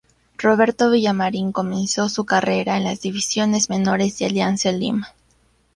Roberto Villamarín comenzó su carrera en las divisiones menores de Alianza Lima.